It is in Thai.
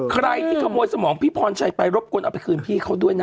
ใครที่ขโมยสมองพี่พรชัยไปรบกวนเอาไปคืนพี่เขาด้วยนะ